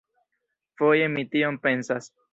Foje mi tion pensas.